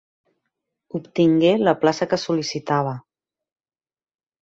Obtingué la plaça que sol·licitava.